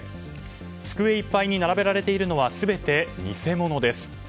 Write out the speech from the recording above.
机いっぱいに並べられているのは全て偽物です。